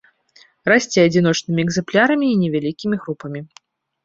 Расце адзіночнымі экзэмплярамі і невялікімі групамі.